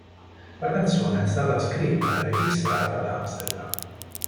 La canzone è stata scritta e registrata ad Amsterdam.